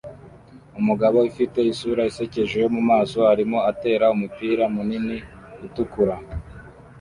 Umugabo ufite isura isekeje yo mumaso arimo atera umupira munini utukura